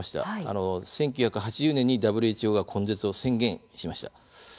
１９８０年にＷＨＯが根絶を宣言しました。